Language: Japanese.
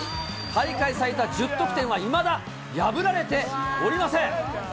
大会最多１０得点は、いまだ破られておりません。